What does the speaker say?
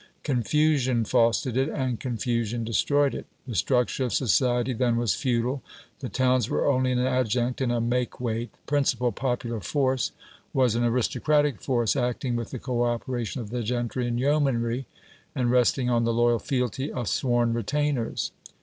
Confusion fostered it, and confusion destroyed it. The structure of society then was feudal; the towns were only an adjunct and a make weight. The principal popular force was an aristocratic force, acting with the co operation of the gentry and yeomanry, and resting on the loyal fealty of sworn retainers.